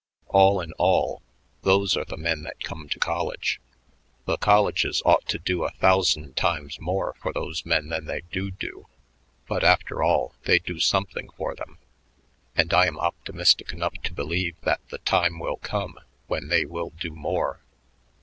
All in all, those are the men that come to college. The colleges ought to do a thousand times more for those men than they do do; but, after all, they do something for them, and I am optimistic enough to believe that the time will come when they will do more."